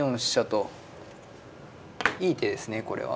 いい手ですねこれは。